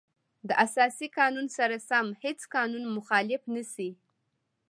د اساسي قانون سره سم هیڅ قانون مخالف نشي.